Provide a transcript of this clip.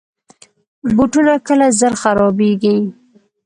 بوټونه کله زر خرابیږي.